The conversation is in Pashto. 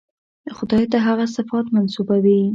خدای ته هغه صفات منسوبوي.